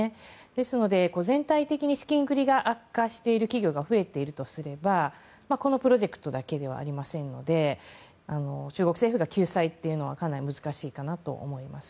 ですので、全体的に資金繰りが悪化している企業が増えているとすればこのプロジェクトだけではありませんので中国政府が救済というのはかなり難しいと思います。